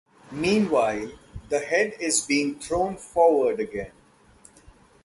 Meanwhile, the head is being thrown forward again.